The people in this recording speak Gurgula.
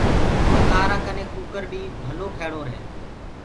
اُرو ڪآرآ ڪني ڪٚڪَر بيٚ ڀلو کيڙو رهي